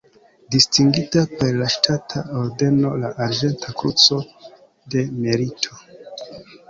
Distingita per la ŝtata ordeno la Arĝenta Kruco de Merito.